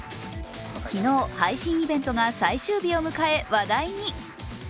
昨日、配信イベントが最終日を迎え話題に。